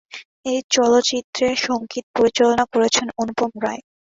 এই চলচ্চিত্রের সংগীত পরিচালনা করেছেন অনুপম রায়।